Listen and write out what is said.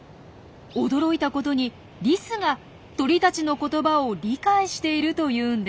驚いたことにリスが鳥たちの言葉を理解しているというんです。